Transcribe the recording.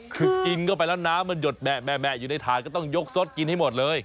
คือกินก็ไปแล้วน้ำมันหยดแหมะแหมะแหมะอยู่ในถ่ายก็ต้องยกซดกินให้หมดเลย